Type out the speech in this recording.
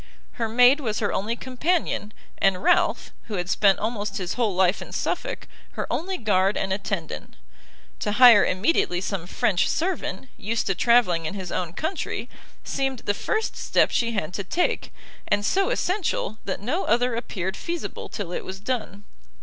Her maid was her only companion, and Ralph, who had spent almost his whole life in Suffolk, her only guard and attendant. To hire immediately some French servant, used to travelling in his own country, seemed the first step she had to take, and so essential, that no other appeared feasible till it was done.